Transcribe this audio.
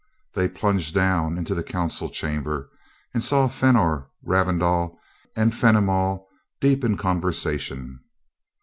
They plunged down into the council chamber, and saw Fenor, Ravindau, and Fenimol deep in conversation.